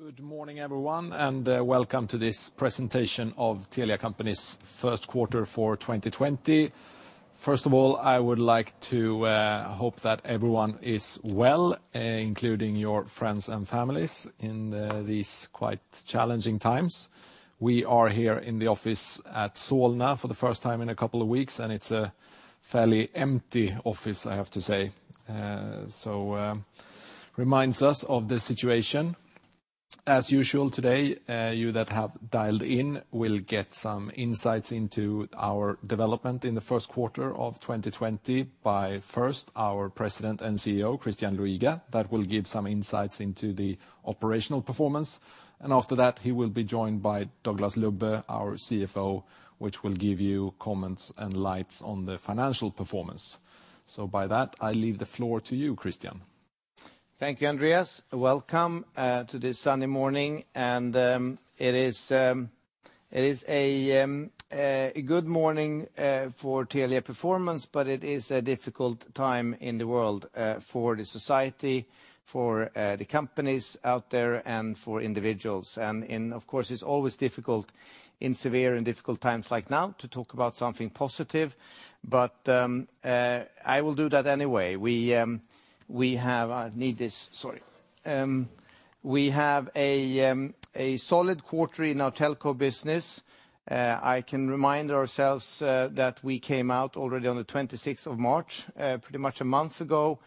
Good morning everyone, welcome to this presentation of Telia Company's first quarter for 2020. First of all, I would like to hope that everyone is well, including your friends and families in these quite challenging times. We are here in the office at Solna for the first time in a couple of weeks, it's a fairly empty office, I have to say. Reminds us of the situation. As usual today, you that have dialed in will get some insights into our development in the first quarter of 2020 by first our President and CEO, Christian Luiga, that will give some insights into the operational performance. After that, he will be joined by Douglas Lubbe, our CFO, which will give you comments and lights on the financial performance. By that, I leave the floor to you, Christian. Thank you, Andreas. Welcome to this sunny morning. It is a good morning for Telia performance, but it is a difficult time in the world for the society, for the companies out there, and for individuals. Of course, it's always difficult in severe and difficult times like now to talk about something positive. I will do that anyway. I need this. Sorry. We have a solid quarter in our telco business. I can remind ourselves that we came out already on the 26th of March, pretty much a month ago,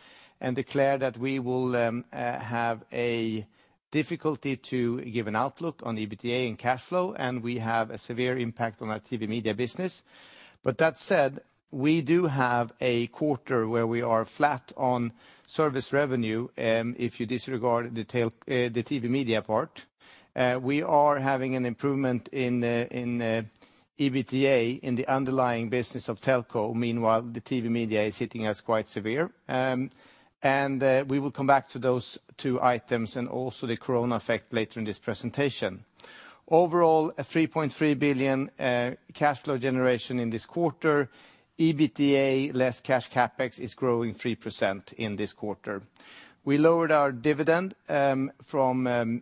declared that we will have a difficulty to give an outlook on the EBITDA and cash flow, we have a severe impact on our TV Media business. That said, we do have a quarter where we are flat on service revenue, if you disregard the TV Media part. We are having an improvement in the EBITDA in the underlying business of Telia. Meanwhile, the TV and Media is hitting us quite severe. We will come back to those two items and also the COVID-19 effect later in this presentation. Overall, 3.3 billion cash flow generation in this quarter. EBITDA less cash CapEx is growing 3% in this quarter. We lowered our dividend from 4.8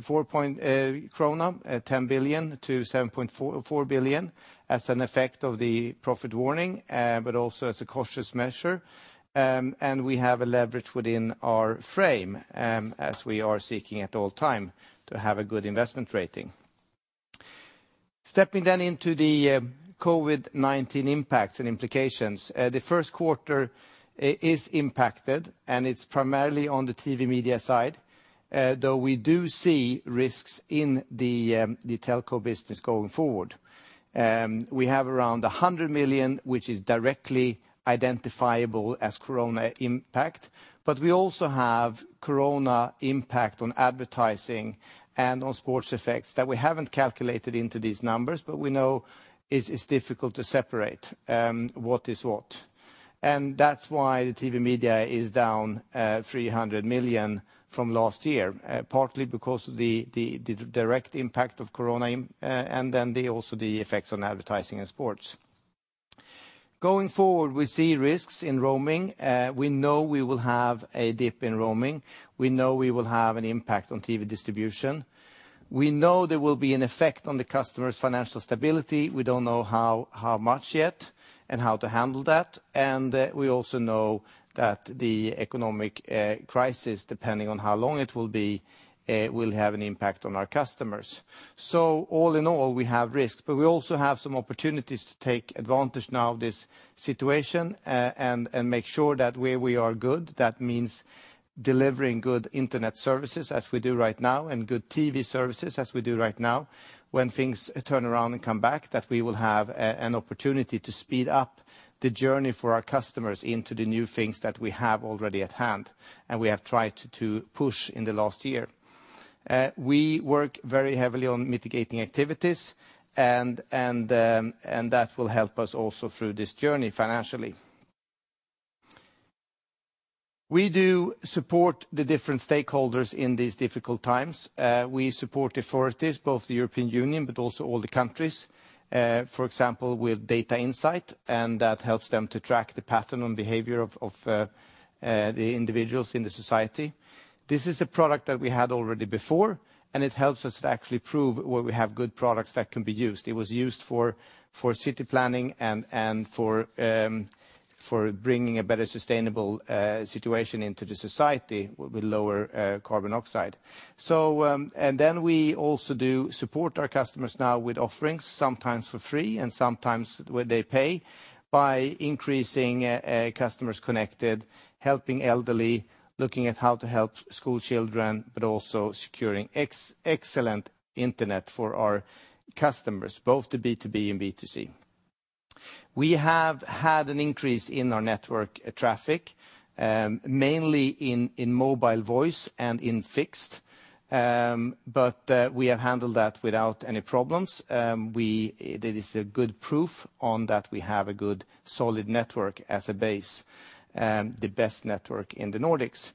krona, krona 10 billion to 7.4 billion as an effect of the profit warning, but also as a cautious measure. We have a leverage within our frame, as we are seeking at all time to have a good investment rating. Stepping then into the COVID-19 impact and implications. The first quarter is impacted, and it's primarily on the TV and Media side. Though we do see risks in the Telia business going forward. We have around 100 million, which is directly identifiable as corona impact, but we also have corona impact on advertising and on sports effects that we haven't calculated into these numbers, but we know it's difficult to separate what is what. That's why the TV Media is down 300 million from last year. Partly because of the direct impact of corona and then also the effects on advertising and sports. Going forward, we see risks in roaming. We know we will have a dip in roaming. We know we will have an impact on TV distribution. We know there will be an effect on the customer's financial stability. We don't know how much yet and how to handle that. We also know that the economic crisis, depending on how long it will be, will have an impact on our customers. All in all, we have risks, but we also have some opportunities to take advantage now of this situation and make sure that where we are good, that means delivering good internet services as we do right now, and good TV services as we do right now. When things turn around and come back, that we will have an opportunity to speed up the journey for our customers into the new things that we have already at hand and we have tried to push in the last year. We work very heavily on mitigating activities, and that will help us also through this journey financially. We do support the different stakeholders in these difficult times. We support authorities, both the European Union but also all the countries. For example, with data insight, and that helps them to track the pattern on behavior of the individuals in the society. This is a product that we had already before, and it helps us to actually prove where we have good products that can be used. It was used for city planning and for bringing a better sustainable situation into the society with lower carbon oxide. We also do support our customers now with offerings, sometimes for free, and sometimes they pay, by increasing customers connected, helping elderly, looking at how to help school children, but also securing excellent internet for our customers, both the B2B and B2C. We have had an increase in our network traffic, mainly in mobile voice and in fixed, but we have handled that without any problems. That is a good proof on that we have a good, solid network as a base, the best network in the Nordics.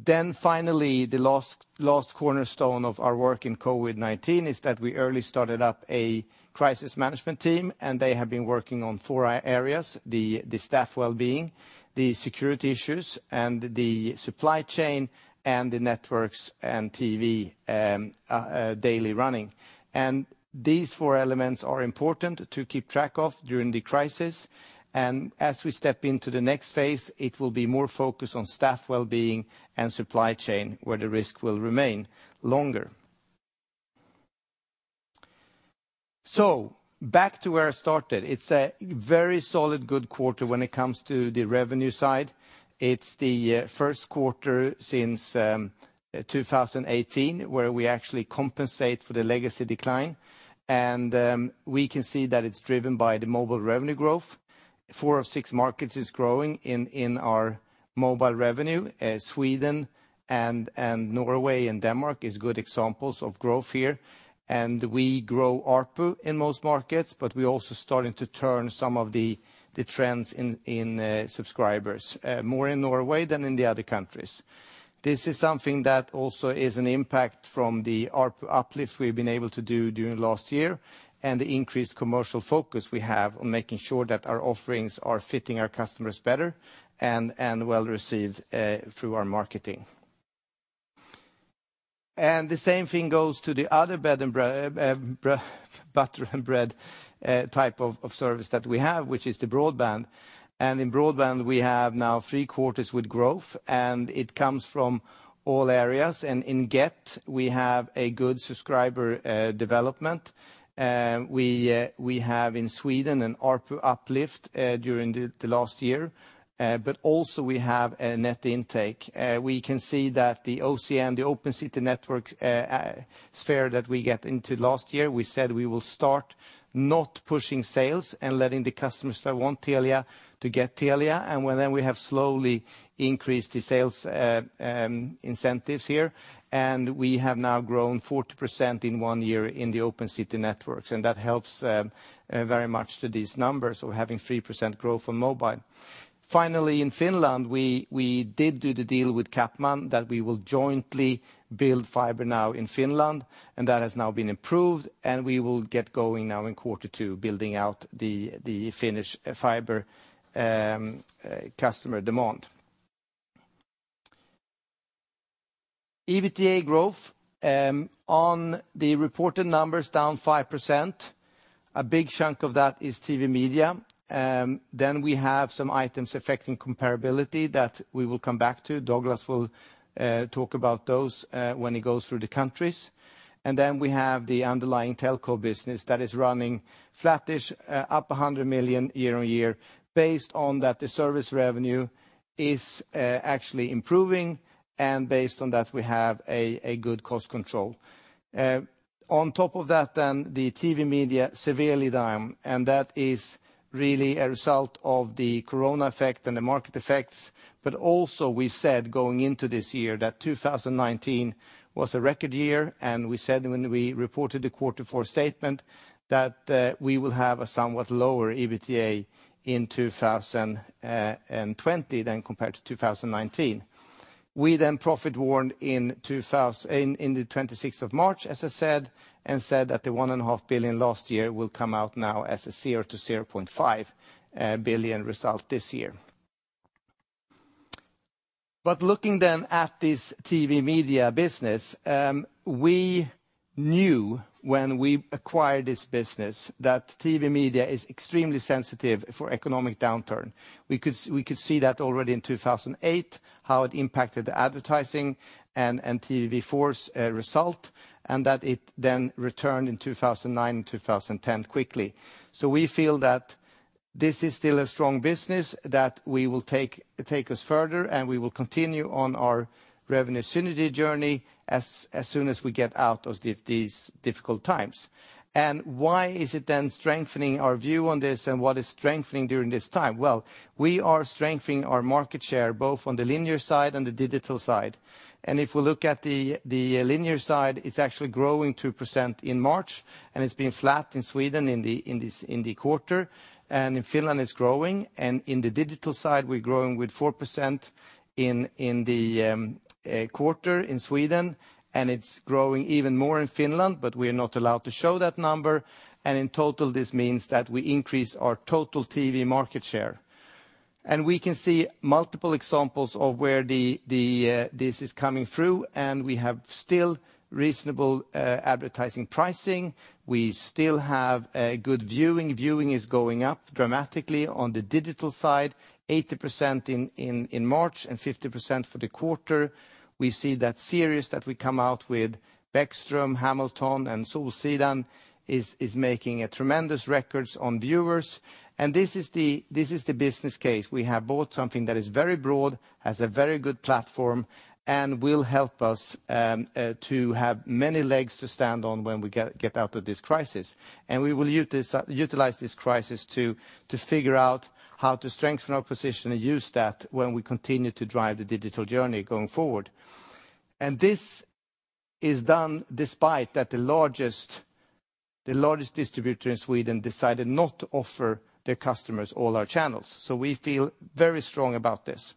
Then finally, the last cornerstone of our work in COVID-19 is that we early started up a crisis management team, and they have been working on four areas: the staff wellbeing, the security issues, and the supply chain, and the networks and TV daily running. These four elements are important to keep track of during the crisis. As we step into the next phase, it will be more focused on staff wellbeing and supply chain, where the risk will remain longer. Back to where I started. It's a very solid, good quarter when it comes to the revenue side. It's the first quarter since 2018 where we actually compensate for the legacy decline. We can see that it's driven by the mobile revenue growth. Four of six markets is growing in our mobile revenue. Sweden and Norway and Denmark is good examples of growth here. We grow ARPU in most markets, but we're also starting to turn some of the trends in subscribers, more in Norway than in the other countries. This is something that also is an impact from the ARPU uplift we've been able to do during last year and the increased commercial focus we have on making sure that our offerings are fitting our customers better and well-received through our marketing. The same thing goes to the other butter and bread type of service that we have, which is the broadband. In broadband, we have now three quarters with growth, and it comes from all areas. In Get, we have a good subscriber development. We have in Sweden an ARPU uplift during the last year. We have a net intake. We can see that the OCN, the Open City Network sphere that we get into last year, we said we will start not pushing sales and letting the customers that want Telia to get Telia. We have slowly increased the sales incentives here. We have now grown 40% in one year in the Open City Networks, that helps very much to these numbers of having 3% growth on mobile. In Finland, we did do the deal with CapMan that we will jointly build fiber now in Finland. That has now been improved. We will get going now in quarter two, building out the Finnish fiber customer demand. EBITDA growth on the reported numbers down 5%. A big chunk of that is TV and Media. We have some items affecting comparability that we will come back to. Douglas will talk about those when he goes through the countries. We have the underlying telco business that is running flattish up 100 million year-on-year based on that the service revenue is actually improving and based on that we have a good cost control. On top of that, the TV and Media severely down. That is really a result of the corona effect and the market effects. Also we said going into this year that 2019 was a record year, and we said when we reported the quarter four statement that we will have a somewhat lower EBITDA in 2020 than compared to 2019. We profit warned in the 26th of March, as I said, and said that the 1.5 billion last year will come out now as a 0-0.5 billion result this year. Looking then at this TV and Media business, we knew when we acquired this business that TV and Media is extremely sensitive for economic downturn. We could see that already in 2008, how it impacted the advertising and TV4's result, and that it then returned in 2009 and 2010 quickly. We feel that this is still a strong business that we will take us further, and we will continue on our revenue synergy journey as soon as we get out of these difficult times. Why is it then strengthening our view on this and what is strengthening during this time? Well, we are strengthening our market share, both on the linear side and the digital side. If we look at the linear side, it's actually growing 2% in March, and it's been flat in Sweden in the quarter. In Finland it's growing. In the digital side, we're growing with 4% in the quarter in Sweden, and it's growing even more in Finland, but we are not allowed to show that number. In total, this means that we increase our total TV market share. We can see multiple examples of where this is coming through, and we have still reasonable advertising pricing. We still have good viewing. Viewing is going up dramatically on the digital side, 80% in March and 50% for the quarter. We see that series that we come out with, "Bäckström," "Hamilton," and "Solsidan," is making tremendous records on viewers. This is the business case. We have bought something that is very broad, has a very good platform, and will help us to have many legs to stand on when we get out of this crisis. We will utilize this crisis to figure out how to strengthen our position and use that when we continue to drive the digital journey going forward. This is done despite that the largest distributor in Sweden decided not to offer their customers all our channels. We feel very strong about this.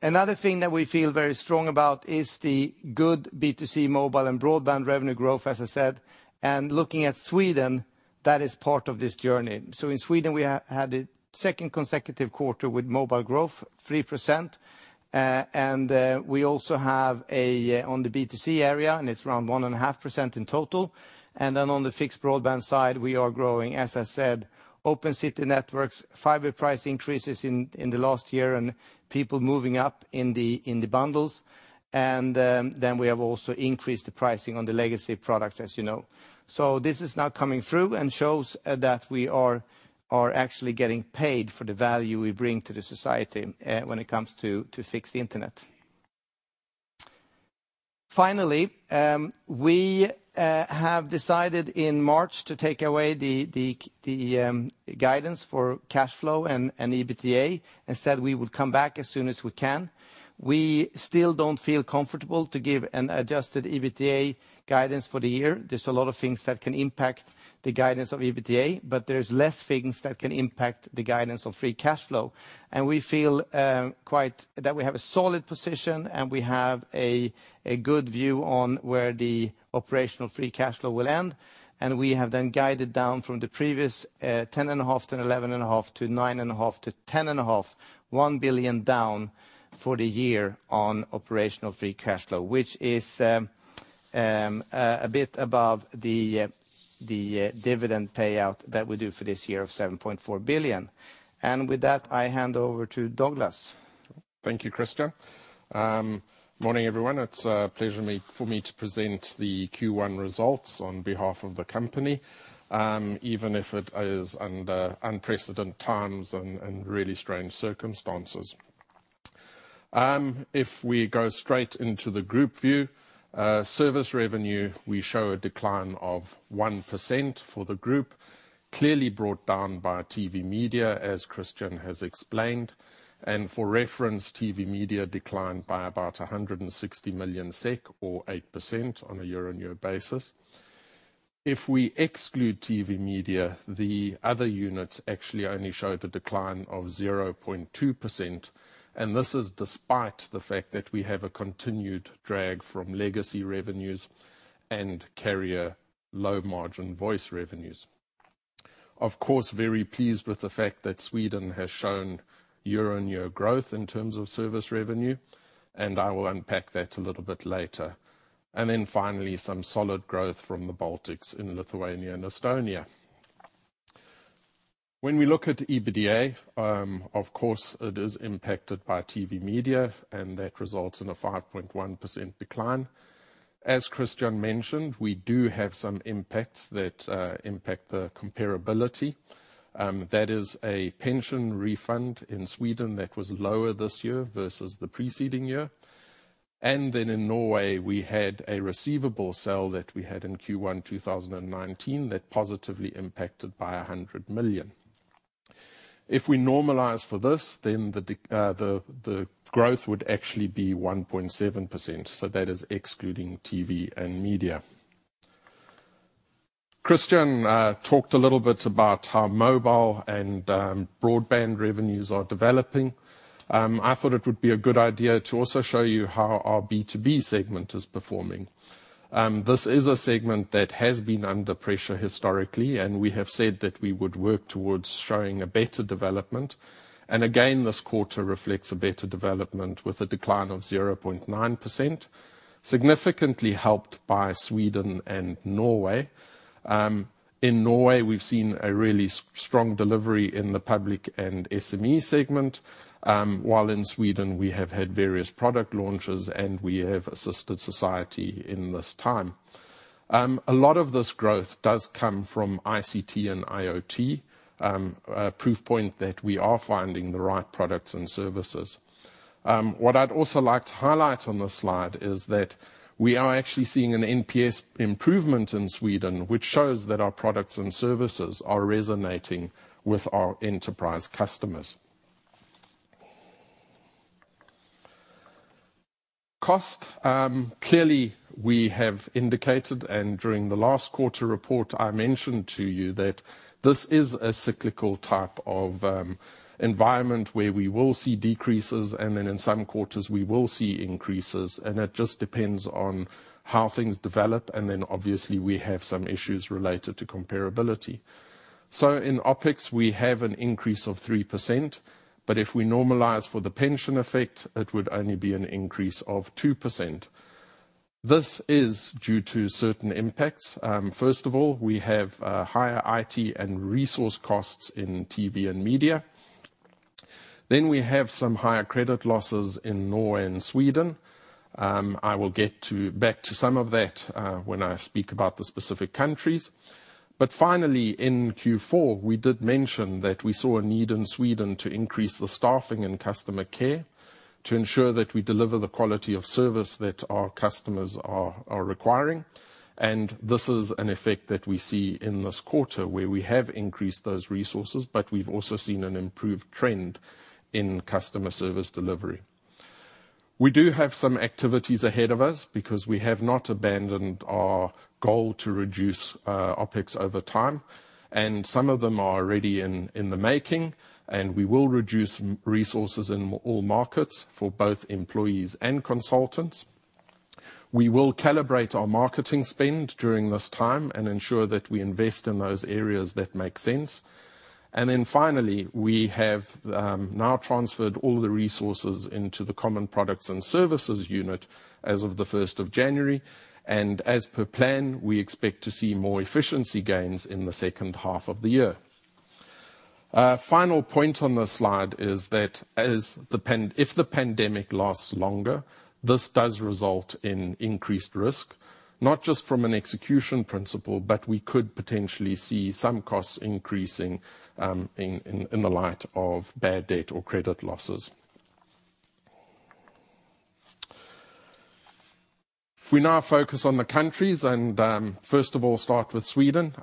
Another thing that we feel very strong about is the good B2C mobile and broadband revenue growth, as I said, and looking at Sweden, that is part of this journey. In Sweden, we had a second consecutive quarter with mobile growth 3%, and we also have on the B2C area, and it's around 1.5% in total. On the fixed broadband side, we are growing, as I said, Open City Networks, fiber price increases in the last year and people moving up in the bundles. Then we have also increased the pricing on the legacy products as you know. This is now coming through and shows that we are actually getting paid for the value we bring to the society when it comes to fixed internet. Finally, we have decided in March to take away the guidance for cash flow and EBITDA. Instead, we would come back as soon as we can. We still don't feel comfortable to give an adjusted EBITDA guidance for the year. There's a lot of things that can impact the guidance of EBITDA, but there's less things that can impact the guidance of free cash flow. We feel that we have a solid position and we have a good view on where the operational free cash flow will end. We have then guided down from the previous 10.5 billion-11.5 billion to 9.5 billion-10.5 billion, 1 billion down for the year on operational free cash flow, which is a bit above the dividend payout that we do for this year of 7.4 billion. With that, I hand over to Douglas. Thank you, Christian. Morning, everyone. It's a pleasure for me to present the Q1 results on behalf of the company, even if it is under unprecedented times and really strange circumstances. If we go straight into the group view, service revenue, we show a decline of 1% for the group, clearly brought down by TV and Media, as Christian has explained. For reference, TV and Media declined by about 160 million SEK or 8% on a year-on-year basis. If we exclude TV and Media, the other units actually only showed a decline of 0.2%, and this is despite the fact that we have a continued drag from legacy revenues and carrier low-margin voice revenues. Of course, very pleased with the fact that Sweden has shown year-on-year growth in terms of service revenue, and I will unpack that a little bit later. Finally, some solid growth from the Baltics in Lithuania and Estonia. When we look at EBITDA, of course, it is impacted by TV and Media, and that results in a 5.1% decline. As Christian mentioned, we do have some impacts that impact the comparability. That is a pension refund in Sweden that was lower this year versus the preceding year. In Norway, we had a receivable sale that we had in Q1 2019 that positively impacted by 100 million. If we normalize for this, then the growth would actually be 1.7%. That is excluding TV and Media. Christian talked a little bit about how mobile and broadband revenues are developing. I thought it would be a good idea to also show you how our B2B segment is performing. This is a segment that has been under pressure historically, and we have said that we would work towards showing a better development. Again, this quarter reflects a better development with a decline of 0.9%, significantly helped by Sweden and Norway. In Norway, we've seen a really strong delivery in the public and SME segment. While in Sweden, we have had various product launches, and we have assisted society in this time. A lot of this growth does come from ICT and IoT, a proof point that we are finding the right products and services. What I'd also like to highlight on this slide is that we are actually seeing an NPS improvement in Sweden, which shows that our products and services are resonating with our enterprise customers. Cost. We have indicated, and during the last quarter report, I mentioned to you that this is a cyclical type of environment where we will see decreases, and then in some quarters we will see increases, and it just depends on how things develop, and then obviously we have some issues related to comparability. In OpEx, we have an increase of 3%, but if we normalize for the pension effect, it would only be an increase of 2%. This is due to certain impacts. First of all, we have higher IT and resource costs in TV and Media. We have some higher credit losses in Norway and Sweden. I will get back to some of that when I speak about the specific countries. Finally, in Q4, we did mention that we saw a need in Sweden to increase the staffing in customer care to ensure that we deliver the quality of service that our customers are requiring. This is an effect that we see in this quarter, where we have increased those resources, but we've also seen an improved trend in customer service delivery. We do have some activities ahead of us, because we have not abandoned our goal to reduce our OpEx over time. Some of them are already in the making, we will reduce resources in all markets for both employees and consultants. We will calibrate our marketing spend during this time and ensure that we invest in those areas that make sense. Finally, we have now transferred all the resources into the common products and services unit as of the 1st of January. As per plan, we expect to see more efficiency gains in the second half of the year. A final point on this slide is that if the pandemic lasts longer, this does result in increased risk, not just from an execution principle, but we could potentially see some costs increasing in the light of bad debt or credit losses. If we now focus on the countries and first of all start with Sweden,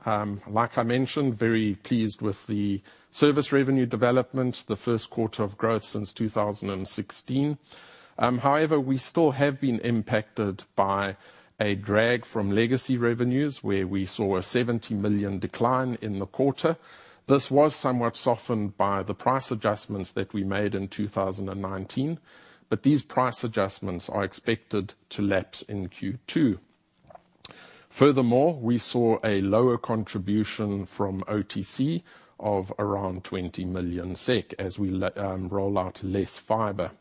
like I mentioned, very pleased with the service revenue development, the first quarter of growth since 2016. However, we still have been impacted by a drag from legacy revenues, where we saw a 70 million decline in the quarter. This was somewhat softened by the price adjustments that we made in 2019, but these price adjustments are expected to lapse in Q2. Furthermore, we saw a lower contribution from OTC of around 20 million SEK as we roll out less fiber.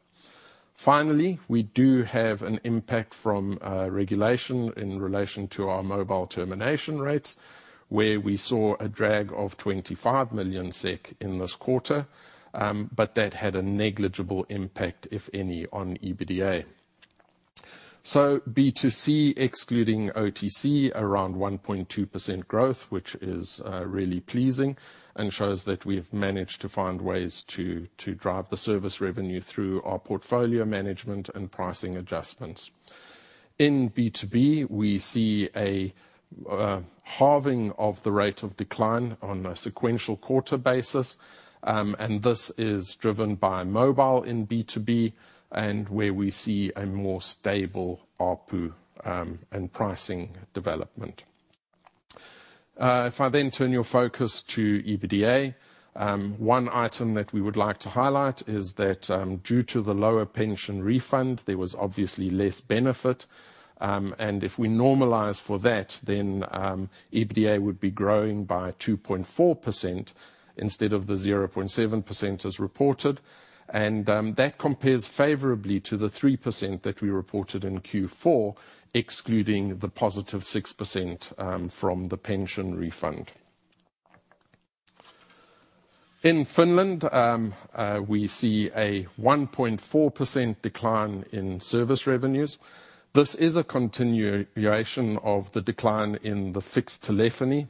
Finally, we do have an impact from regulation in relation to our mobile termination rates, where we saw a drag of 25 million SEK in this quarter, but that had a negligible impact, if any, on EBITDA. B2C, excluding OTC, around 1.2% growth, which is really pleasing and shows that we've managed to find ways to drive the service revenue through our portfolio management and pricing adjustments. In B2B, we see a halving of the rate of decline on a sequential quarter basis, and this is driven by mobile in B2B and where we see a more stable ARPU and pricing development. I then turn your focus to EBITDA, one item that we would like to highlight is that due to the lower pension refund, there was obviously less benefit, and if we normalize for that, EBITDA would be growing by 2.4% instead of the 0.7% as reported. That compares favorably to the 3% that we reported in Q4, excluding the positive 6% from the pension refund. In Finland, we see a 1.4% decline in service revenues. This is a continuation of the decline in the fixed telephony,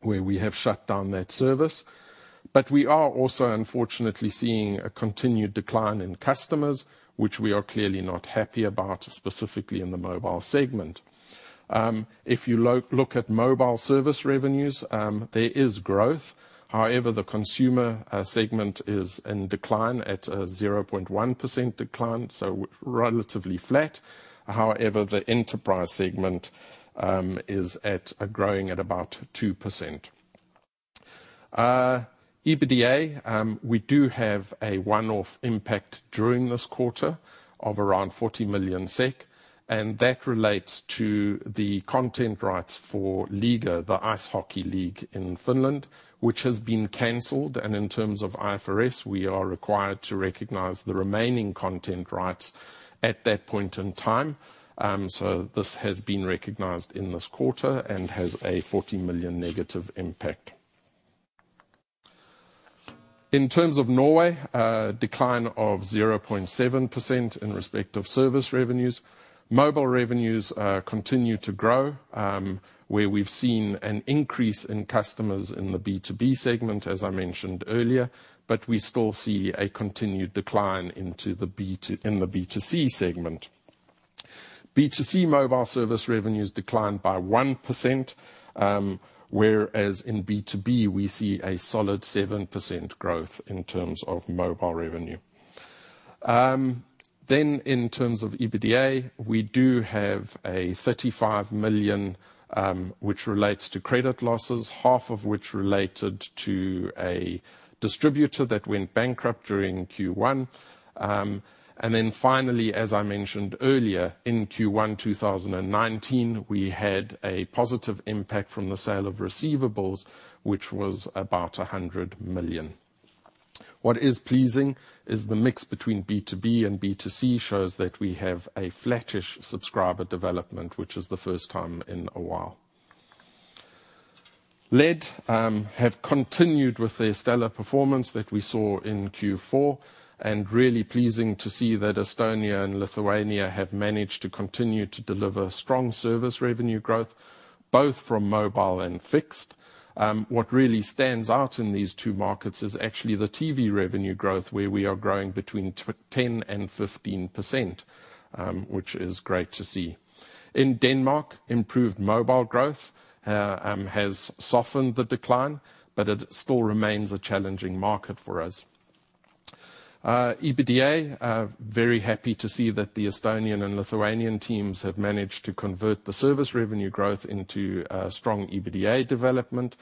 where we have shut down that service. We are also, unfortunately, seeing a continued decline in customers, which we are clearly not happy about, specifically in the mobile segment. If you look at mobile service revenues, there is growth. However, the consumer segment is in decline at a 0.1% decline, so relatively flat. The enterprise segment is growing at about 2%. EBITDA, we do have a one-off impact during this quarter of around 40 million SEK. That relates to the content rights for Liiga, the ice hockey league in Finland, which has been canceled. In terms of IFRS, we are required to recognize the remaining content rights at that point in time. This has been recognized in this quarter and has a 40 million negative impact. In terms of Norway, a decline of 0.7% in respect of service revenues. Mobile revenues continue to grow, where we've seen an increase in customers in the B2B segment, as I mentioned earlier. We still see a continued decline in the B2C segment. B2C mobile service revenues declined by 1%, whereas in B2B, we see a solid 7% growth in terms of mobile revenue. In terms of EBITDA, we do have a 35 million, which relates to credit losses, half of which related to a distributor that went bankrupt during Q1. Finally, as I mentioned earlier, in Q1 2019, we had a positive impact from the sale of receivables, which was about 100 million. What is pleasing is the mix between B2B and B2C shows that we have a flattish subscriber development, which is the first time in a while. LED have continued with their stellar performance that we saw in Q4, and really pleasing to see that Estonia and Lithuania have managed to continue to deliver strong service revenue growth. Both from mobile and fixed. What really stands out in these two markets is actually the TV revenue growth, where we are growing between 10%-15%, which is great to see. In Denmark, improved mobile growth has softened the decline, but it still remains a challenging market for us. EBITDA, very happy to see that the Estonian and Lithuanian teams have managed to convert the service revenue growth into strong EBITDA development.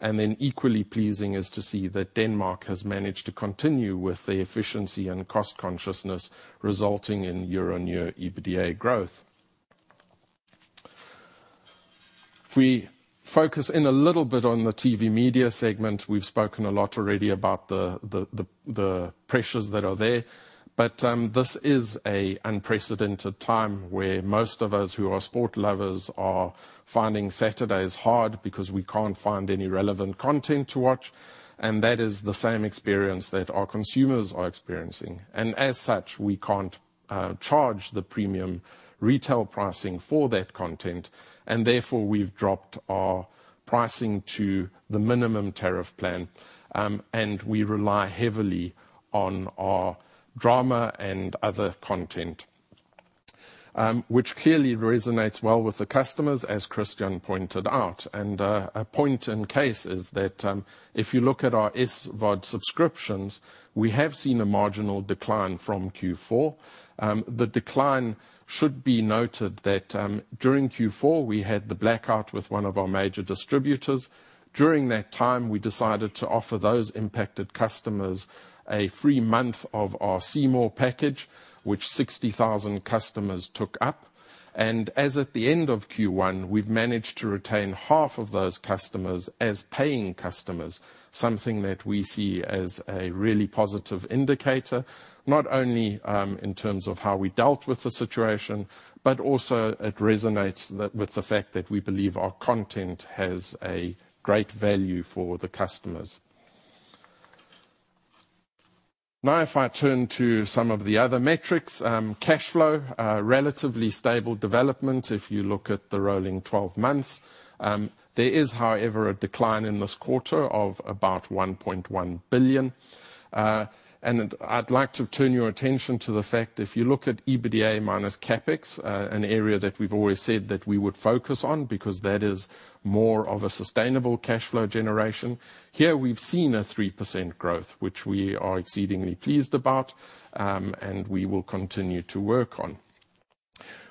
Then equally pleasing is to see that Denmark has managed to continue with the efficiency and cost consciousness resulting in year-on-year EBITDA growth. If we focus in a little bit on the TV and Media segment, we've spoken a lot already about the pressures that are there. This is a unprecedented time where most of us who are sport lovers are finding Saturdays hard because we can't find any relevant content to watch, and that is the same experience that our consumers are experiencing. As such, we can't charge the premium retail pricing for that content, and therefore we've dropped our pricing to the minimum tariff plan. We rely heavily on our drama and other content, which clearly resonates well with the customers, as Christian pointed out. A point in case is that, if you look at our SVOD subscriptions, we have seen a marginal decline from Q4. The decline should be noted that during Q4 we had the blackout with one of our major distributors. During that time, we decided to offer those impacted customers a free month of our C More package, which 60,000 customers took up. As at the end of Q1, we've managed to retain half of those customers as paying customers, something that we see as a really positive indicator, not only in terms of how we dealt with the situation, but also it resonates with the fact that we believe our content has a great value for the customers. If I turn to some of the other metrics. Cash flow, a relatively stable development if you look at the rolling 12 months. There is, however, a decline in this quarter of about 1.1 billion. I'd like to turn your attention to the fact if you look at EBITDA minus CapEx, an area that we've always said that we would focus on because that is more of a sustainable cash flow generation. Here we've seen a 3% growth, which we are exceedingly pleased about, and we will continue to work on.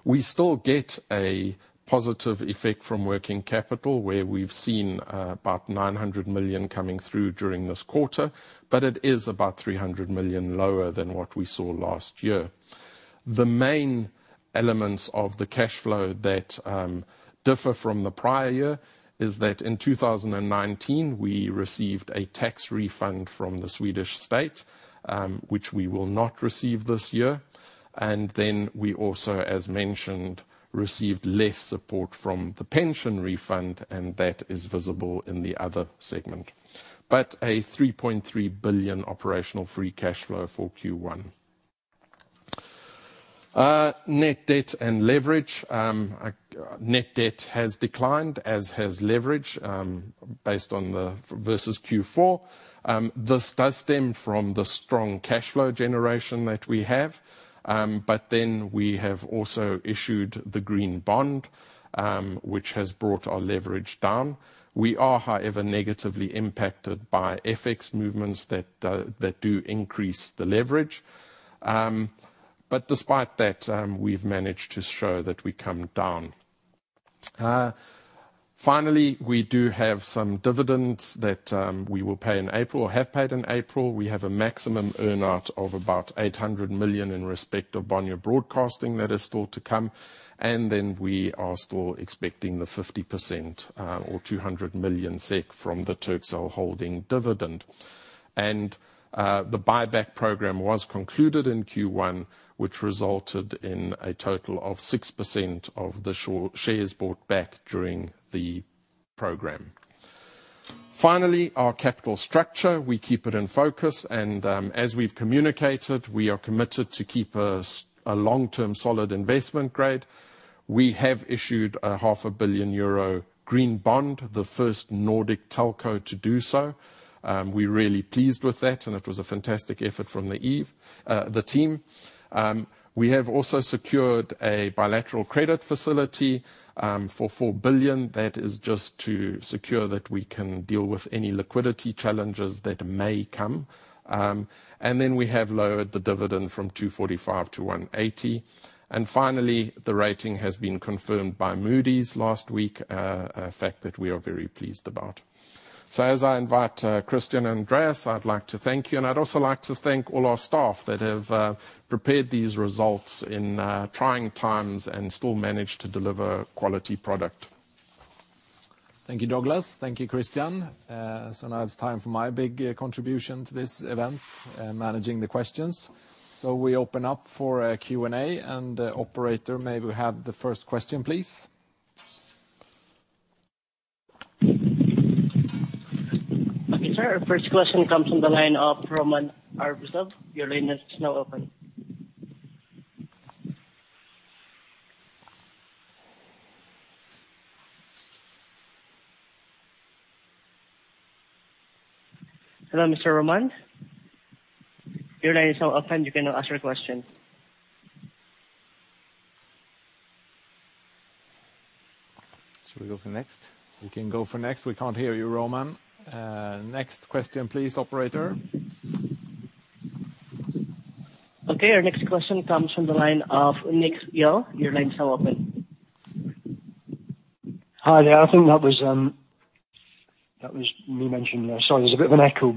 We still get a positive effect from working capital, where we've seen about 900 million coming through during this quarter, but it is about 300 million lower than what we saw last year. The main elements of the cash flow that differ from the prior year is that in 2019 we received a tax refund from the Swedish state, which we will not receive this year. We also, as mentioned, received less support from the pension refund, and that is visible in the other segment. A 3.3 billion operational free cash flow for Q1. Net debt and leverage. Net debt has declined, as has leverage based versus Q4. This does stem from the strong cash flow generation that we have. We have also issued the green bond, which has brought our leverage down. We are, however, negatively impacted by FX movements that do increase the leverage. Despite that, we've managed to show that we come down. Finally, we do have some dividends that we will pay in April, or have paid in April. We have a maximum earn-out of about 800 million in respect of Bonnier Broadcasting that is still to come. Then we are still expecting the 50% or 200 million SEK from the Turkcell holding dividend. The buyback program was concluded in Q1, which resulted in a total of 6% of the shares bought back during the program. Finally, our capital structure. We keep it in focus and as we've communicated, we are committed to keep a long-term solid investment grade. We have issued a 500 million euro green bond, the first Nordic telco to do so. We're really pleased with that and it was a fantastic effort from the team. We have also secured a bilateral credit facility for 4 billion. That is just to secure that we can deal with any liquidity challenges that may come. We have lowered the dividend from 245 to 180. Finally, the rating has been confirmed by Moody's last week, a fact that we are very pleased about. As I invite Christian and Andreas, I'd like to thank you, and I'd also like to thank all our staff that have prepared these results in trying times and still managed to deliver quality product. Thank you, Douglas. Thank you, Christian. Now it's time for my big contribution to this event, managing the questions. We open up for Q&A. Operator, may we have the first question, please? Okay, sir. Our first question comes from the line of Roman Arbuzov. Your line is now open. Hello, Mr. Roman. Your line is now open. You can now ask your question. Should we go for next? We can go for next. We can't hear you, Roman. Next question please, operator. Okay. Our next question comes from the line of Nick Delf. Your lines are open. Hi there. I think that was me mentioning there. Sorry, there's a bit of an echo.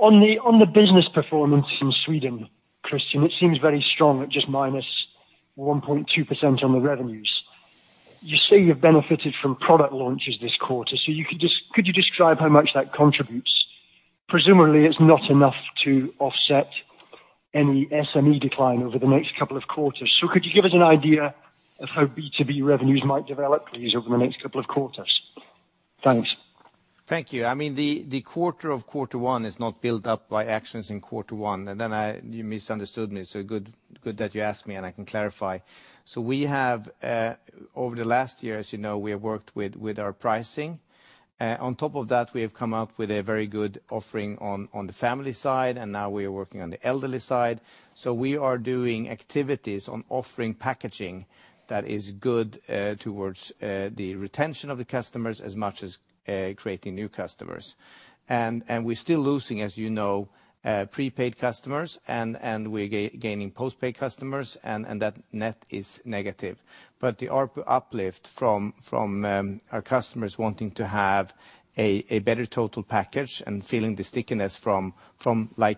On the business performance in Sweden, Christian, it seems very strong at just -1.2% on the revenues. You say you've benefited from product launches this quarter, could you describe how much that contributes? Presumably it's not enough to offset any SME decline over the next couple of quarters. Could you give us an idea of how B2B revenues might develop, please, over the next couple of quarters? Thanks. Thank you. The quarter of Q1 is not built up by actions in Q1. You misunderstood me. Good that you asked me, and I can clarify. We have, over the last year, as you know, we have worked with our pricing. On top of that, we have come up with a very good offering on the family side, and now we are working on the elderly side. We are doing activities on offering packaging that is good towards the retention of the customers as much as creating new customers. We're still losing, as you know, prepaid customers and we're gaining postpaid customers, and that net is negative. The uplift from our customers wanting to have a better total package and feeling the stickiness from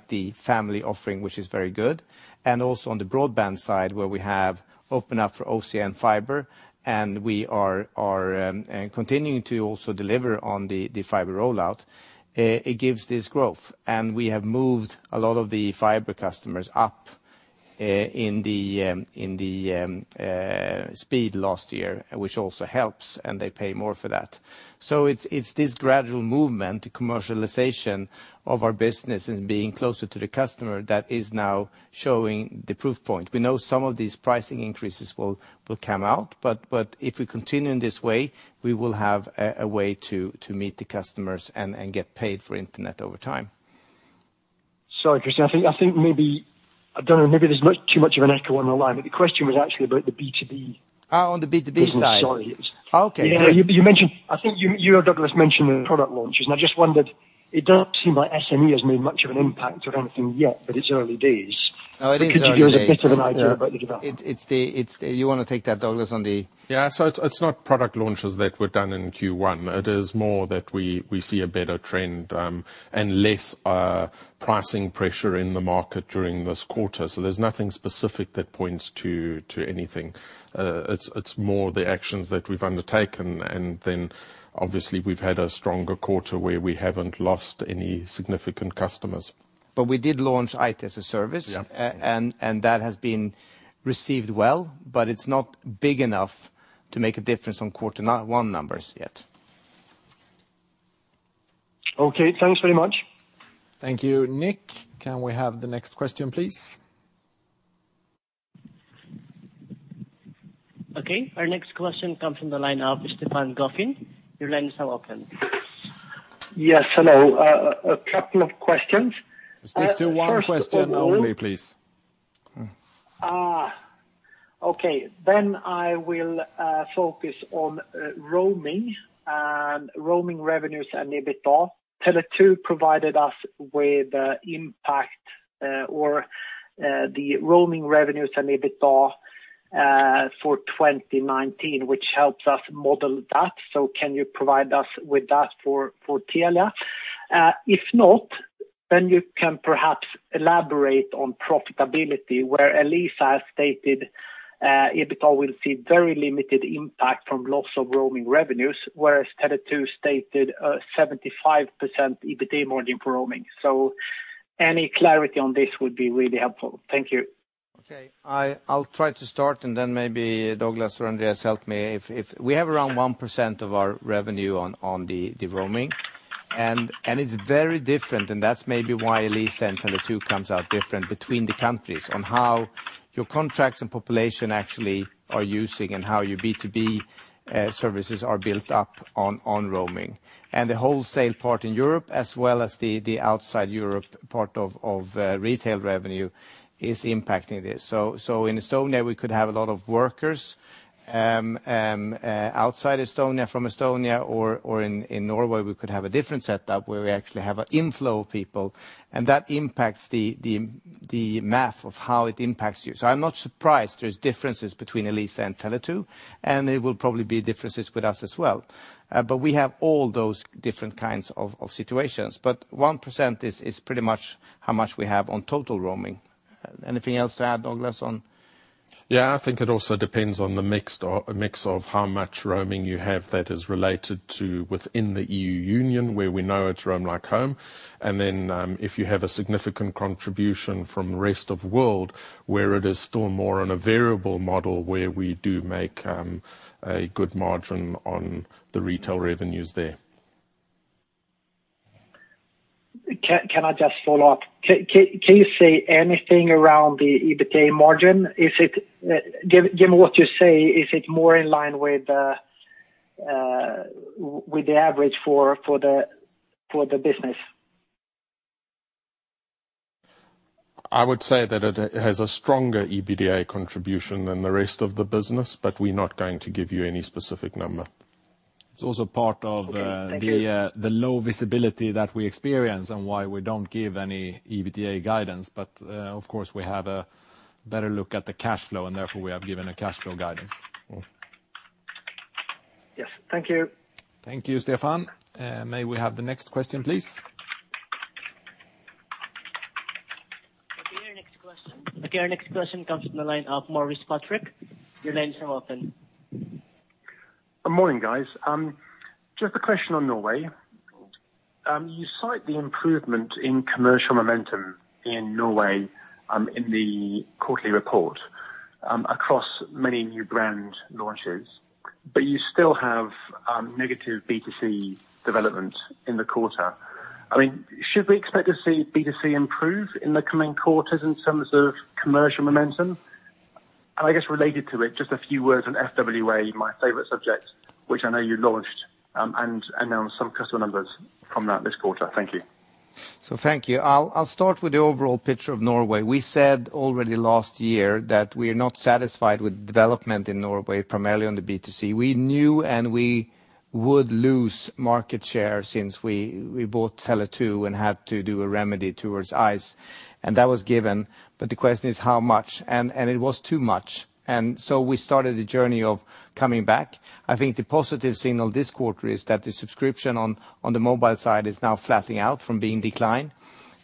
the family offering, which is very good, and also on the broadband side, where we have opened up for OCN and fiber, and we are continuing to also deliver on the fiber rollout, it gives this growth. We have moved a lot of the fiber customers up in the speed last year, which also helps, and they pay more for that. It's this gradual movement, commercialization of our business and being closer to the customer that is now showing the proof point. We know some of these pricing increases will come out, but if we continue in this way, we will have a way to meet the customers and get paid for internet over time. Sorry, Christian, I think maybe, I don't know, maybe there's too much of an echo on the line. The question was actually about the B2B. Oh, on the B2B side. Sorry. Okay. You or Douglas mentioned the product launches, and I just wondered, it doesn't seem like SME has made much of an impact or anything yet, but it's early days. Oh, it is early days. Could you give us a bit of an idea about the development? You want to take that, Douglas, on the? It's not product launches that were done in Q1. It is more that we see a better trend, and less pricing pressure in the market during this quarter. There's nothing specific that points to anything. It's more the actions that we've undertaken and then obviously we've had a stronger quarter where we haven't lost any significant customers. We did launch IT as a service. Yeah. That has been received well, but it's not big enough to make a difference on quarter one numbers yet. Okay. Thanks very much. Thank you, Nick. Can we have the next question, please? Okay. Our next question comes from the line of Stefan Gauffin. Your line is now open. Yes, hello. A couple of questions. Stick to one question only, please. Okay. I will focus on roaming, and roaming revenues and EBITDA. Tele2 provided us with impact, or the roaming revenues and EBITDA, for 2019, which helps us model that. Can you provide us with that for Telia? If not, you can perhaps elaborate on profitability where Elisa has stated EBITDA will see very limited impact from loss of roaming revenues, whereas Tele2 stated a 75% EBITDA margin for roaming. Any clarity on this would be really helpful. Thank you. Okay. I'll try to start and then maybe Douglas or Andreas help me. We have around 1% of our revenue on the roaming, and it's very different, and that's maybe why Elisa and Tele2 comes out different between the countries on how your contracts and population actually are using and how your B2B services are built up on roaming. The wholesale part in Europe as well as the outside Europe part of retail revenue is impacting this. In Estonia we could have a lot of workers, outside Estonia from Estonia or in Norway we could have a different setup where we actually have an inflow of people and that impacts the math of how it impacts you. I'm not surprised there's differences between Elisa and Tele2, and there will probably be differences with us as well. We have all those different kinds of situations. 1% is pretty much how much we have on total roaming. Anything else to add Douglas on? Yeah, I think it also depends on the mix of how much roaming you have that is related to within the EU Union, where we know it's Roam like at home. If you have a significant contribution from rest of world where it is still more on a variable model where we do make a good margin on the retail revenues there. Can I just follow up? Can you say anything around the EBITDA margin? Given what you say, is it more in line with the average for the business? I would say that it has a stronger EBITDA contribution than the rest of the business, but we're not going to give you any specific number. It's also part of the low visibility that we experience and why we don't give any EBITDA guidance. Of course, we have a better look at the cash flow, and therefore, we have given a cash flow guidance. Yes. Thank you. Thank you, Stefan. May we have the next question, please? Okay, our next question. Okay, our next question comes from the line of Maurice Patrick. Your lines are open. Good morning, guys. Just a question on Norway. You cite the improvement in commercial momentum in Norway in the quarterly report across many new brand launches. You still have negative B2C development in the quarter. Should we expect to see B2C improve in the coming quarters in terms of commercial momentum? I guess related to it, just a few words on FWA, my favorite subject, which I know you launched, and announce some customer numbers from that this quarter. Thank you. Thank you. I'll start with the overall picture of Norway. We said already last year that we are not satisfied with development in Norway, primarily on the B2C. We knew and we would lose market share since we bought Tele2 and had to do a remedy towards ICE, and that was given. The question is how much, and it was too much. We started the journey of coming back. I think the positive signal this quarter is that the subscription on the mobile side is now flattening out from being declined,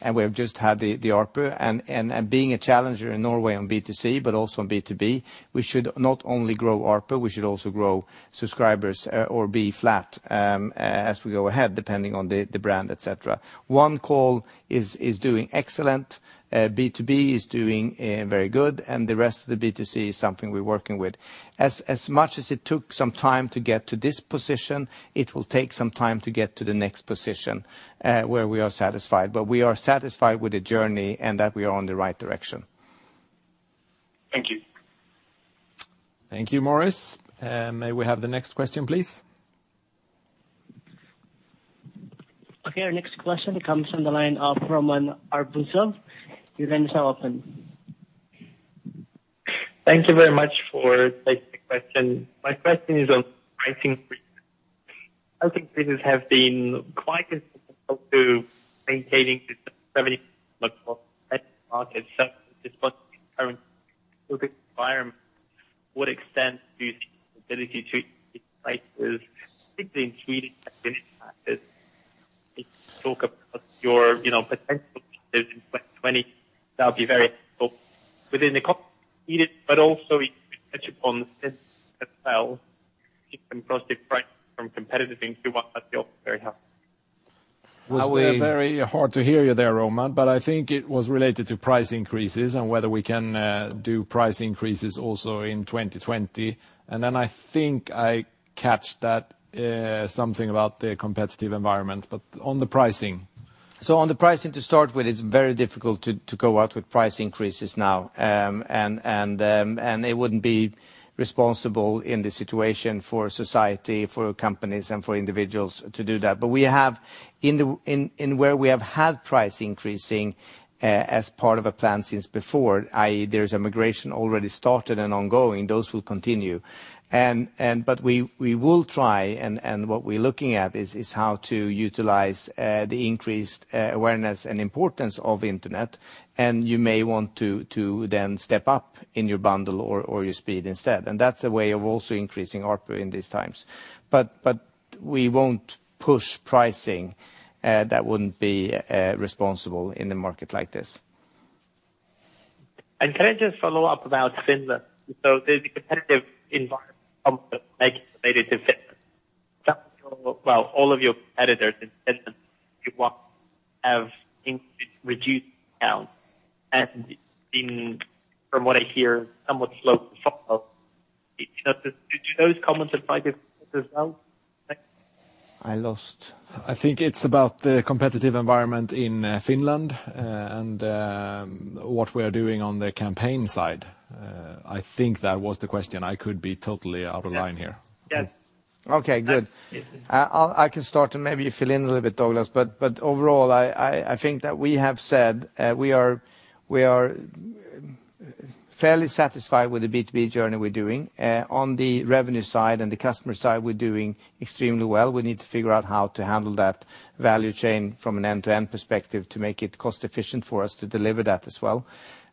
and we've just had the ARPU. Being a challenger in Norway on B2C but also on B2B, we should not only grow ARPU, we should also grow subscribers or be flat as we go ahead, depending on the brand, et cetera. OneCall is doing excellent. B2B is doing very good. The rest of the B2C is something we're working with. As much as it took some time to get to this position, it will take some time to get to the next position, where we are satisfied. We are satisfied with the journey and that we are on the right direction. Thank you. Thank you, Maurice. May we have the next question, please? Okay, our next question comes from the line of Roman Arbuzov. Your lines are open. Thank you very much for taking the question. My question is on pricing. I think businesses have been quite to maintaining market share despite the current environment. What extent do you think the ability to prices, particularly in Sweden? Talk about your potential in 2020. That would be very helpful within the. Also if you could touch upon Finland as well, different pricing from competitive things we want very hard. It was very hard to hear you there, Roman, but I think it was related to price increases and whether we can do price increases also in 2020. I think I catch that something about the competitive environment. On the pricing. On the pricing to start with, it's very difficult to go out with price increases now. It wouldn't be responsible in this situation for society, for companies, and for individuals to do that. Where we have had price increasing as part of a plan since before, i.e. there's a migration already started and ongoing, those will continue. We will try, and what we're looking at is how to utilize the increased awareness and importance of internet, and you may want to then step up in your bundle or your speed instead. That's a way of also increasing ARPU in these times. We won't push pricing. That wouldn't be responsible in a market like this. Can I just follow up about Finland? The competitive environment related to Finland. All of your competitors in Finland have reduced accounts and been, from what I hear, somewhat slow to follow. Do those comments apply to Finland as well? Thanks. I lost. I think it's about the competitive environment in Finland and what we are doing on the campaign side. I think that was the question. I could be totally out of line here. Yes. Okay, good. I can start. Maybe you fill in a little bit, Douglas. Overall, I think that we have said we are fairly satisfied with the B2B journey we're doing. On the revenue side and the customer side, we're doing extremely well. We need to figure out how to handle that value chain from an end-to-end perspective to make it cost efficient for us to deliver that as well.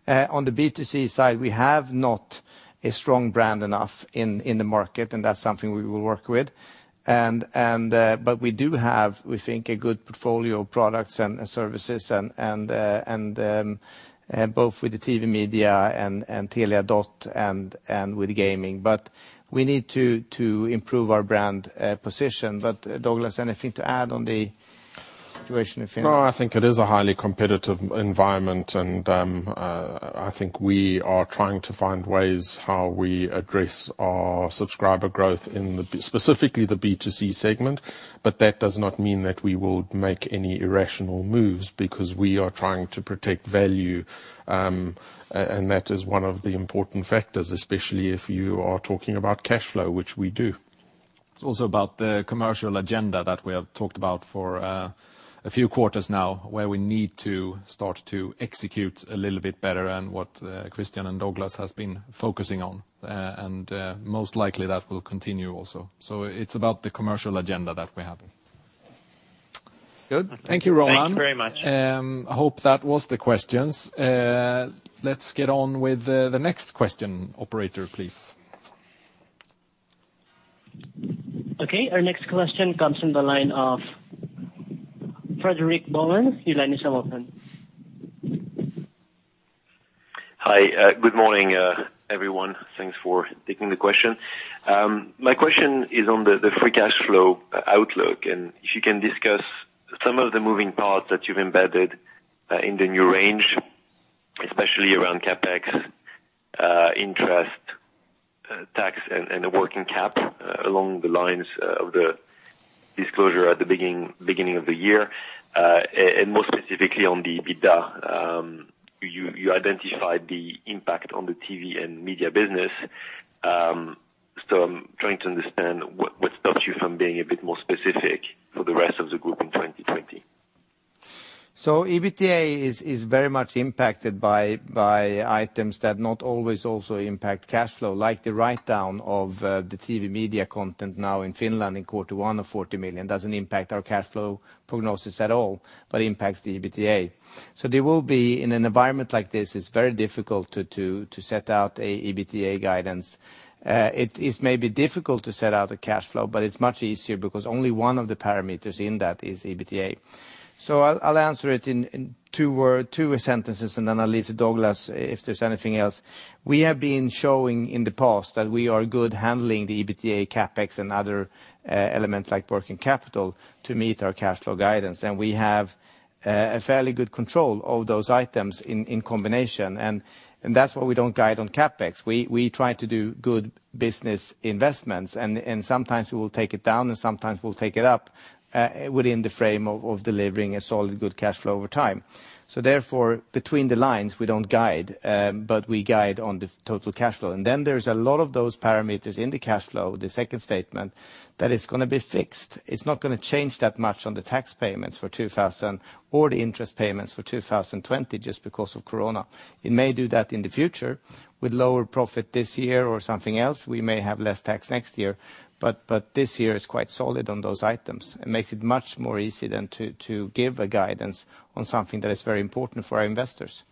On the B2C side, we have not a strong brand enough in the market, and that's something we will work with. We do have, we think, a good portfolio of products and services, both with the TV and Media and Telia Dot and with gaming. We need to improve our brand position. Douglas, anything to add on the situation in Finland? No, I think it is a highly competitive environment, and I think we are trying to find ways how we address our subscriber growth in, specifically the B2C segment. That does not mean that we will make any irrational moves because we are trying to protect value, and that is one of the important factors, especially if you are talking about cash flow, which we do. It's also about the commercial agenda that we have talked about for a few quarters now, where we need to start to execute a little bit better and what Christian and Douglas has been focusing on. Most likely that will continue also. It's about the commercial agenda that we have. Good. Thank you, Roman. Thank you very much. I hope that was the questions. Let's get on with the next question. Operator, please. Okay. Our next question comes from the line of Frederic Boulan. Your line is now open. Hi. Good morning, everyone. Thanks for taking the question. My question is on the free cash flow outlook, and if you can discuss some of the moving parts that you've embedded in the new range, especially around CapEx, interest, tax, and the working cap along the lines of the disclosure at the beginning of the year. More specifically on the EBITDA. You identified the impact on the TV and Media business. I'm trying to understand what stopped you from being a bit more specific for the rest of the group in 2020. EBITDA is very much impacted by items that not always also impact cash flow, like the write-down of the TV media content now in Finland in Q1 of 40 million doesn't impact our cash flow prognosis at all, but impacts the EBITDA. There will be, in an environment like this, it's very difficult to set out an EBITDA guidance. It is maybe difficult to set out a cash flow, but it's much easier because only one of the parameters in that is EBITDA. I'll answer it in two sentences, and then I'll leave to Douglas if there's anything else. We have been showing in the past that we are good handling the EBITDA CapEx and other elements like working capital to meet our cash flow guidance. We have a fairly good control of those items in combination. That's why we don't guide on CapEx. We try to do good business investments, and sometimes we will take it down and sometimes we'll take it up within the frame of delivering a solid, good cash flow over time. Therefore, between the lines, we don't guide, but we guide on the total cash flow. Then there's a lot of those parameters in the cash flow, the second statement, that it's going to be fixed. It's not going to change that much on the tax payments for 2000 or the interest payments for 2020 just because of corona. It may do that in the future with lower profit this year or something else, we may have less tax next year, but this year is quite solid on those items. It makes it much more easy then to give a guidance on something that is very important for our investors.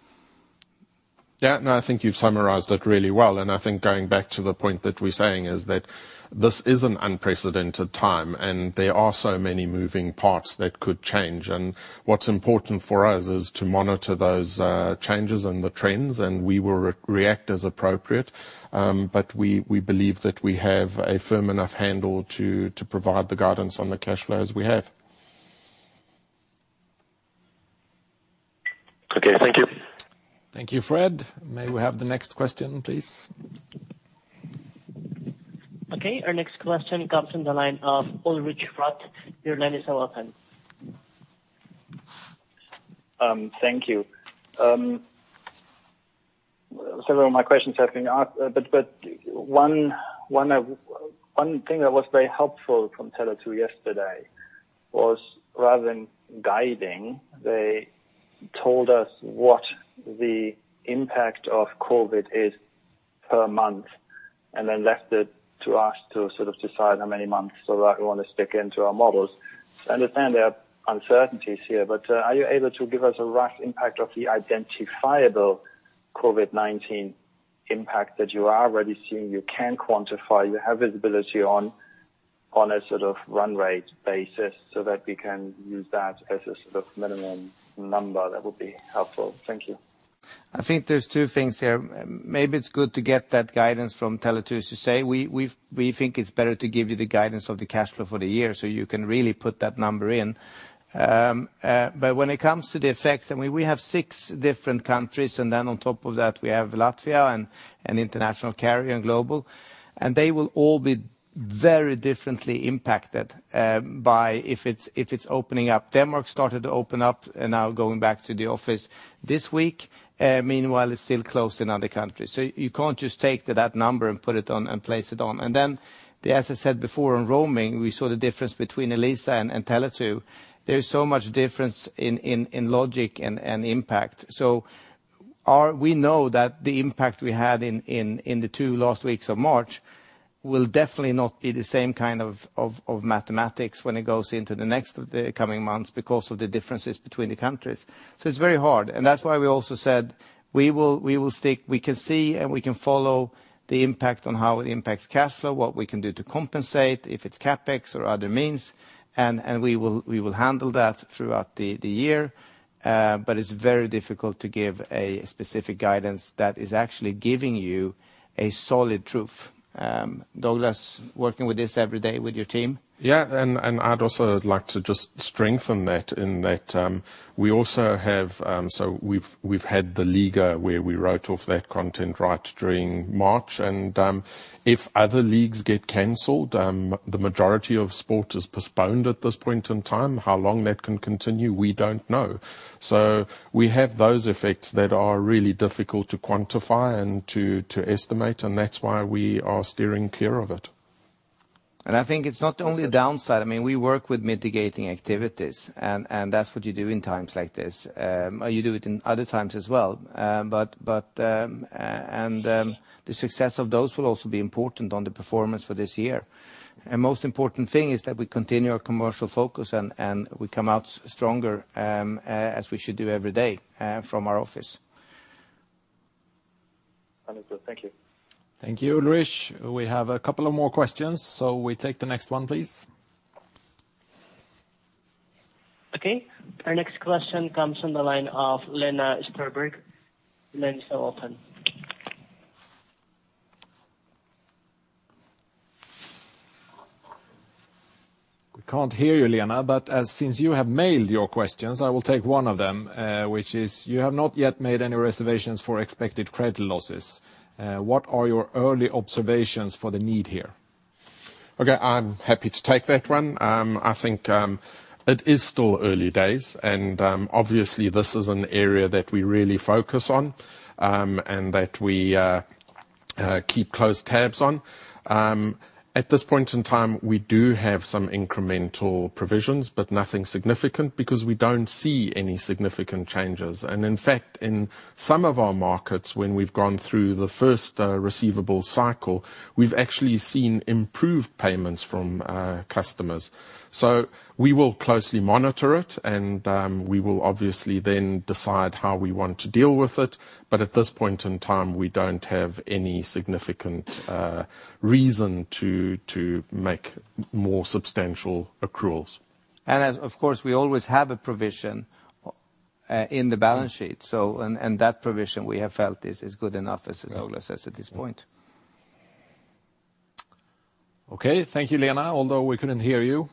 Yeah, no, I think you've summarized it really well, and I think going back to the point that we're saying is that this is an unprecedented time, and there are so many moving parts that could change. What's important for us is to monitor those changes and the trends, and we will react as appropriate. We believe that we have a firm enough handle to provide the guidance on the cash flow as we have. Okay, thank you. Thank you, Fred. May we have the next question, please? Okay, our next question comes from the line of Ulrich Rathe. Your line is now open. Thank you. Several of my questions have been asked, but one thing that was very helpful from Tele2 yesterday was rather than guiding, they told us what the impact of COVID-19 is per month, and then left it to us to sort of decide how many months so that we want to stick into our models. I understand there are uncertainties here, but are you able to give us a rough impact of the identifiable COVID-19 impact that you are already seeing, you can quantify, you have visibility on a sort of run rate basis so that we can use that as a sort of minimum number? That would be helpful. Thank you. I think there's two things here. Maybe it's good to get that guidance from Tele2. As you say, we think it's better to give you the guidance of the cash flow for the year, so you can really put that number in. When it comes to the effects, and we have six different countries, and then on top of that, we have Latvia and Telia Carrier and Global, and they will all be very differently impacted by if it's opening up. Denmark started to open up and now going back to the office this week. Meanwhile, it's still closed in other countries. You can't just take that number and put it on and place it on. Then as I said before on roaming, we saw the difference between Elisa and Tele2. There is so much difference in logic and impact. We know that the impact we had in the two last weeks of March will definitely not be the same kind of mathematics when it goes into the next of the coming months because of the differences between the countries. It's very hard, and that's why we also said we can see and we can follow the impact on how it impacts cash flow, what we can do to compensate, if it's CapEx or other means, and we will handle that throughout the year. It's very difficult to give a specific guidance that is actually giving you a solid truth. Douglas, working with this every day with your team. I'd also like to just strengthen that in that we also have. We've had the Liiga where we wrote off that content right during March, and if other leagues get canceled, the majority of sport is postponed at this point in time. How long that can continue, we don't know. We have those effects that are really difficult to quantify and to estimate, and that's why we are steering clear of it. I think it's not only a downside. We work with mitigating activities, and that's what you do in times like this. You do it in other times as well. The success of those will also be important on the performance for this year. Most important thing is that we continue our commercial focus, and we come out stronger, as we should do every day from our office. Understood. Thank you. Thank you, Ulrich. We have a couple of more questions, so we take the next one, please. Okay. Our next question comes from the line of Lena Stöberg. Lena, you are open. We can't hear you, Lena, but since you have mailed your questions, I will take one of them, which is, you have not yet made any reservations for expected credit losses. What are your early observations for the need here? Okay. I'm happy to take that one. I think it is still early days, and obviously this is an area that we really focus on and that we keep close tabs on. At this point in time, we do have some incremental provisions, but nothing significant because we don't see any significant changes. In fact, in some of our markets, when we've gone through the first receivable cycle, we've actually seen improved payments from customers. We will closely monitor it, and we will obviously then decide how we want to deal with it. At this point in time, we don't have any significant reason to make more substantial accruals. Of course, we always have a provision in the balance sheet. That provision we have felt is good enough, as Douglas says, at this point. Okay. Thank you, Lena, although we couldn't hear you.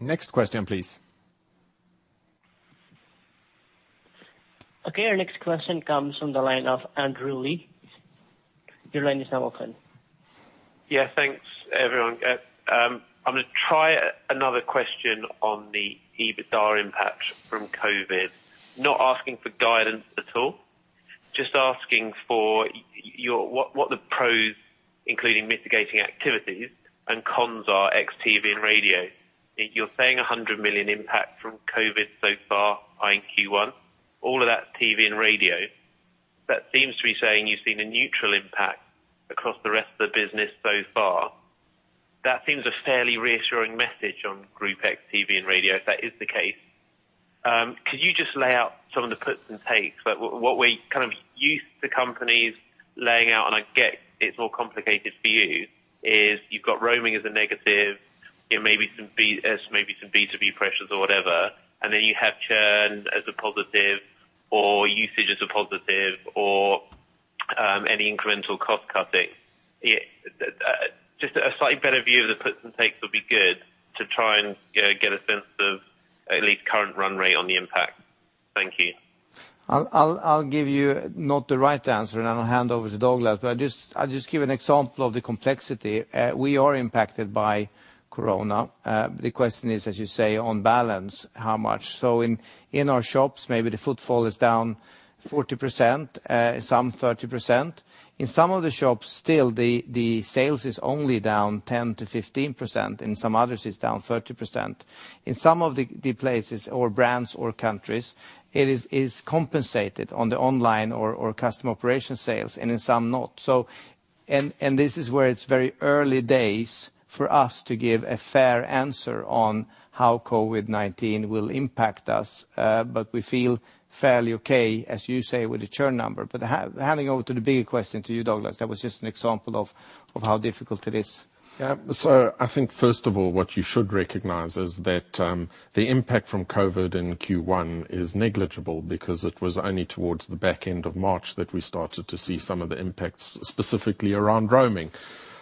Next question please. Okay, our next question comes from the line of Andrew Lee. Your line is now open. Yeah. Thanks everyone. I'm going to try another question on the EBITDA impact from COVID-19. Not asking for guidance at all, just asking for what the pros, including mitigating activities and cons are ex TV and radio. You're saying 100 million impact from COVID-19 so far in Q1. All of that TV and radio. That seems to be saying you've seen a neutral impact across the rest of the business so far. That seems a fairly reassuring message on group ex TV and radio if that is the case. Could you just lay out some of the puts and takes? What we're used to companies laying out, and I get it's more complicated for you, is you've got roaming as a negative, there may be some B2B pressures or whatever, and then you have churn as a positive or usage as a positive or any incremental cost cutting. Just a slightly better view of the puts and takes would be good to try and get a sense of at least current run rate on the impact. Thank you. I'll give you not the right answer. Then I'll hand over to Douglas. I'll just give an example of the complexity. We are impacted by COVID-19. The question is, as you say, on balance, how much? In our shops, maybe the footfall is down 40%, some 30%. In some of the shops, still the sales is only down 10%-15%, in some others it's down 30%. In some of the places or brands or countries, it is compensated on the online or customer operation sales, and in some not. This is where it's very early days for us to give a fair answer on how COVID-19 will impact us. We feel fairly okay, as you say, with the churn number. Handing over to the bigger question to you, Douglas. That was just an example of how difficult it is. I think first of all, what you should recognize is that the impact from COVID in Q1 is negligible because it was only towards the back end of March that we started to see some of the impacts specifically around roaming.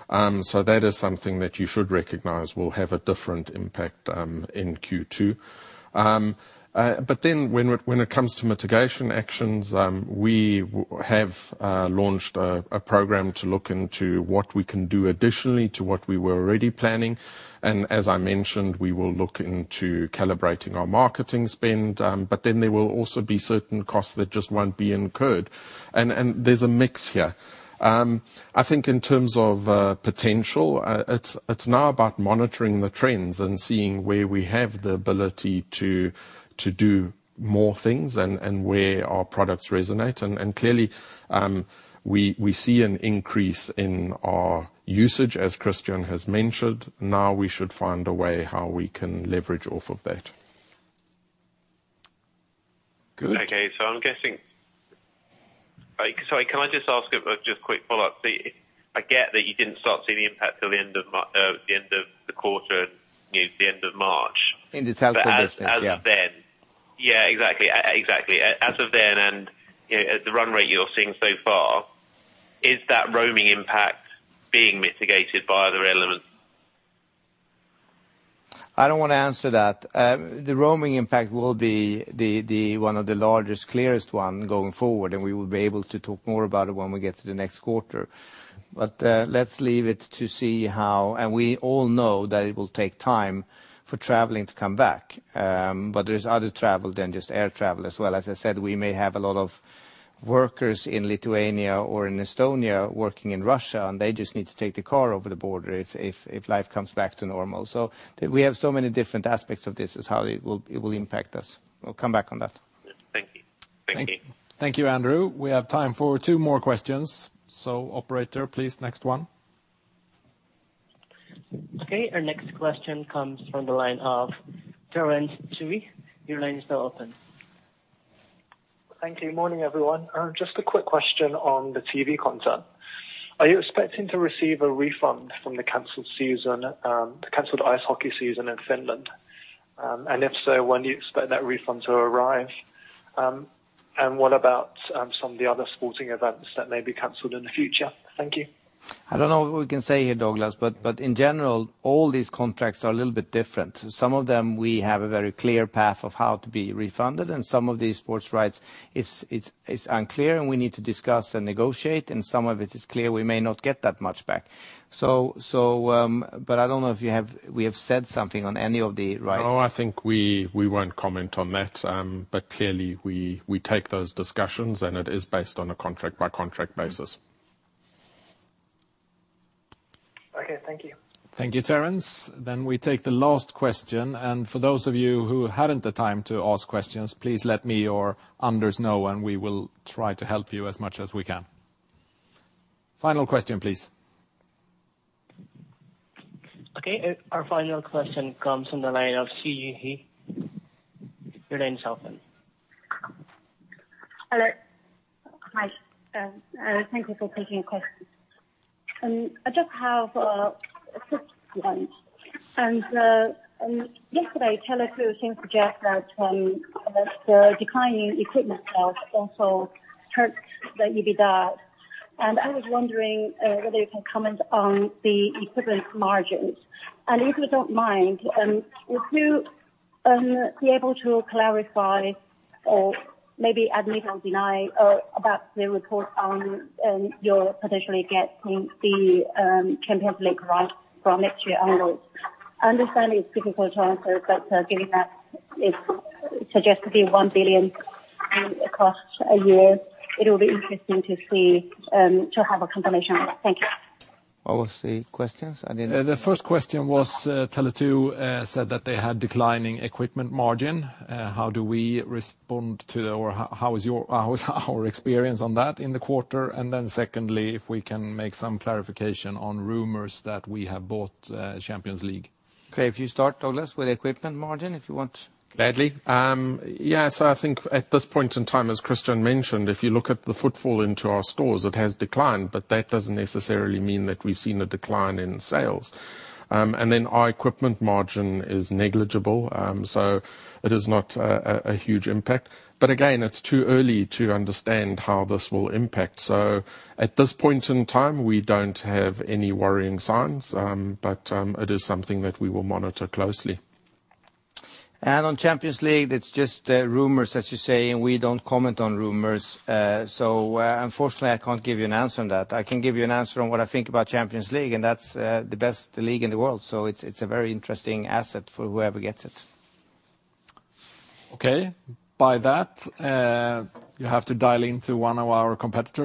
That is something that you should recognize will have a different impact in Q2. When it comes to mitigation actions, we have launched a program to look into what we can do additionally to what we were already planning. As I mentioned, we will look into calibrating our marketing spend. There will also be certain costs that just won't be incurred. There's a mix here. I think in terms of potential, it's now about monitoring the trends and seeing where we have the ability to do more things and where our products resonate. Clearly, we see an increase in our usage as Christian has mentioned. We should find a way how we can leverage off of that. Good. Okay. Sorry, can I just ask a quick follow-up? I get that you didn't start seeing the impact till the end of the quarter, the end of March. In the Telco business, yeah. Yeah, exactly. As of then, and at the run rate you're seeing so far, is that roaming impact being mitigated by other elements? I don't want to answer that. The roaming impact will be one of the largest, clearest one going forward, and we will be able to talk more about it when we get to the next quarter. Let's leave it to see how, and we all know that it will take time for traveling to come back. There's other travel than just air travel as well. As I said, we may have a lot of workers in Lithuania or in Estonia working in Russia, and they just need to take the car over the border if life comes back to normal. We have so many different aspects of this, is how it will impact us. We'll come back on that. Thank you. Thank you, Andrew. We have time for two more questions. Operator, please, next one. Okay, our next question comes from the line of Terence Tsui. Your line is now open. Thank you. Morning, everyone. Just a quick question on the TV content. Are you expecting to receive a refund from the canceled ice hockey season in Finland? If so, when do you expect that refund to arrive? What about some of the other sporting events that may be canceled in the future? Thank you. I don't know what we can say here, Douglas, but in general, all these contracts are a little bit different. Some of them, we have a very clear path of how to be refunded, and some of these sports rights, it's unclear, and we need to discuss and negotiate, and some of it is clear we may not get that much back. I don't know if we have said something on any of the rights. I think we won't comment on that. Clearly we take those discussions, and it is based on a contract-by-contract basis. Okay, thank you. Thank you, Terence. We take the last question. For those of you who hadn't the time to ask questions, please let me or Anders know, and we will try to help you as much as we can. Final question, please. Okay. Our final question comes from the line of Siyi He. Your line's open. Hello. Hi. Thank you for taking the question. I just have a quick one. Yesterday, Tele2 seemed to suggest that the declining equipment sales also hurt the EBITDA. I was wondering whether you can comment on the equipment margins. If you don't mind, would you be able to clarify or maybe admit or deny about the report on your potentially getting the Champions League rights for next year onwards. I understand it's difficult to answer, but given that it's suggested to be 1 billion across a year, it will be interesting to have a confirmation on that. Thank you. What was the questions again? The first question was Tele2 said that they had declining equipment margin. How do we respond to, or how is our experience on that in the quarter? Secondly, if we can make some clarification on rumors that we have bought Champions League. If you start, Douglas, with equipment margin, if you want. Gladly. I think at this point in time, as Christian mentioned, if you look at the footfall into our stores, it has declined, but that doesn't necessarily mean that we've seen a decline in sales. Our equipment margin is negligible, so it is not a huge impact. Again, it's too early to understand how this will impact. At this point in time, we don't have any worrying signs. It is something that we will monitor closely. On Champions League, it's just rumors, as you say, and we don't comment on rumors. Unfortunately, I can't give you an answer on that. I can give you an answer on what I think about Champions League, and that's the best league in the world. It's a very interesting asset for whoever gets it. Okay. By that, you have to dial into one of our competitors